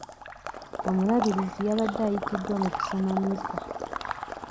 Omulabirizi yabadde ayitiddwa mu kusoma mmisa.